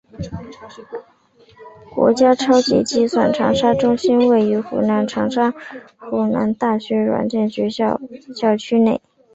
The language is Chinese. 国家超级计算长沙中心位于湖南长沙湖南大学软件学院校区内。